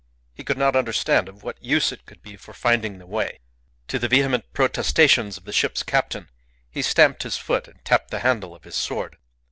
He could not understand of what use it could be for finding the way. To the vehement protestations of the ship's captain, he stamped his foot and tapped the handle of his sword.